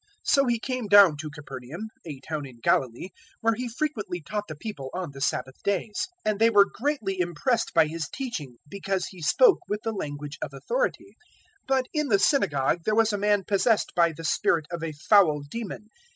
004:031 So He came down to Capernaum, a town in Galilee, where He frequently taught the people on the Sabbath days. 004:032 And they were greatly impressed by His teaching, because He spoke with the language of authority. 004:033 But in the synagogue there was a man possessed by the spirit of a foul demon.